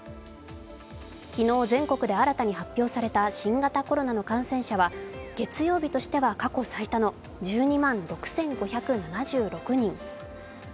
昨日、全国で新たに発表された新型コロナの感染者は月曜日としては過去最多の１２万６５７６人。